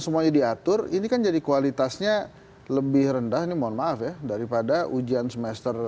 semuanya diatur ini kan jadi kualitasnya lebih rendah ini mohon maaf ya daripada ujian semester